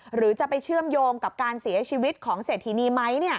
หรือจะไปเชื่อมโยงกับการเสียชีวิตของเศรษฐินีไหม